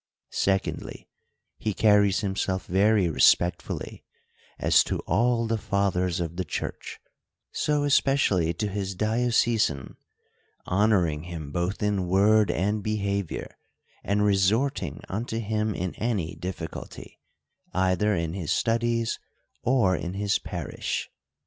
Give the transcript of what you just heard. — Secondly, he carries himself very respect fully, as to all the fathers of the church, so especially to his diocesan, honoring him both in word and behavior, and resorting unto him in any difficulty, either in his studies or in his parish.